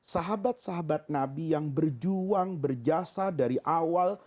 sahabat sahabat nabi yang berjuang berjasa dari awal